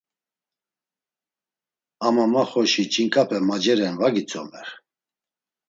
“Ama ma xoşi ç̌inǩape maceren va gitzomer.